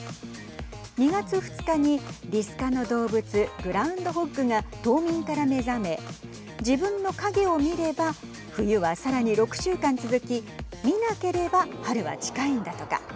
２月２日に、りす科の動物グラウンドホッグが冬眠から目覚め自分の影を見れば冬はさらに６週間続き見なければ春は近いんだとか。